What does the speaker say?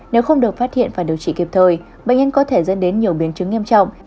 nếu không được phát hiện và điều trị kịp thời bệnh nhân có thể dẫn đến nhiều biến chứng nghiêm trọng